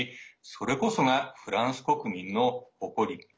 それこそがフランス国民の誇り。